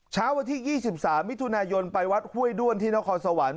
เช้าวันที่๒๓มิถุนายนไปวัดห้วยด้วนที่นครสวรรค์